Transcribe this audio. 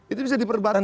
itu bisa diperdebatkan